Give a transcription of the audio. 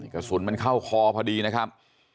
กระสุนมันเข้าคอพอดีนะครับ